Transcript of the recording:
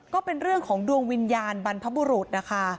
ก็เป็นเรื่องของดวงวิญญาณบรรพบุรุษนะคะ